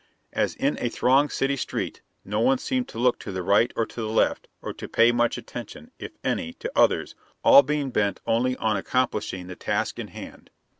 As in a thronged city street, no one seemed to look to the right or to the left, or to pay much attention, if any, to others, all being bent only on accomplishing the task in hand.